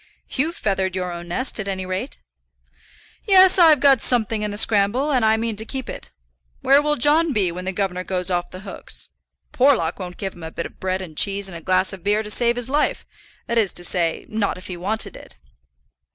"You've feathered your own nest, at any rate." "Yes; I've got something in the scramble, and I mean to keep it. Where will John be when the governor goes off the hooks? Porlock wouldn't give him a bit of bread and cheese and a glass of beer to save his life; that is to say, not if he wanted it."